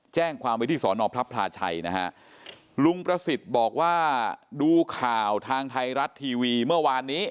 แจ้งความไว้ที่สอนอพระพลาชัยนะฮะลุงประสิทธิ์บอกว่าดูข่าวทางไทยรัฐทีวีเมื่อวานนี้